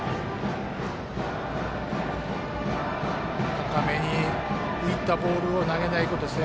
高めに浮いたボールを投げないことですね。